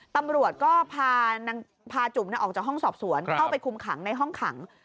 ตำรวจก็พาจุ๋มออกจากห้องสอบสวนเข้าไปคุมขังในห้องขัง